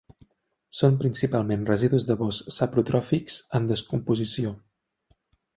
Són principalment residus de bosc saprotròfics en descomposició.